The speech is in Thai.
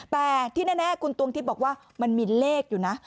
แต่ที่แน่คุณตวงทิพย์บอกว่ามันมีเลขอยู่นะ